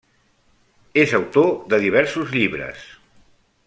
És autor de diversos llibres.